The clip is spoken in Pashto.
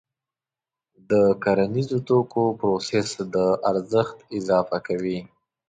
د کرنیزو توکو پروسس د ارزښت اضافه کوي.